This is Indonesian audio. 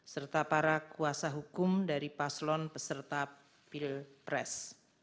serta para kuasa hukum dari paslon peserta pilpres